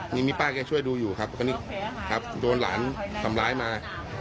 นี่มีป้าแกช่วยดูอยู่ครับโดนหลานทำร้ายมา